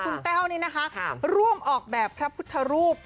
คุณแต้วนี่นะคะร่วมออกแบบพระพุทธรูป